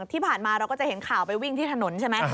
ที่ผ่านมาเราก็จะเห็นข่าวไปวิ่งที่ถนนใช่ไหม